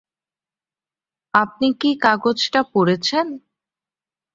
আপনি কি কাগজটা পড়েছেন?